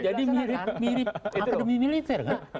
jadi mirip akademi militer